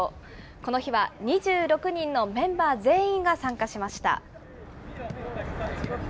この日は２６人のメンバー全員が参加しました。